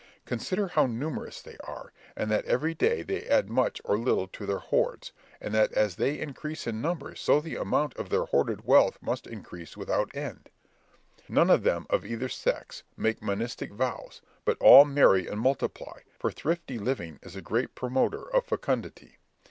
Consider how numerous they are, and that every day they add much or little to their hoards, and that as they increase in number so the amount of their hoarded wealth must increase without end. None of them of either sex make monastic vows, but all marry and multiply, for thrifty living is a great promoter of fecundity.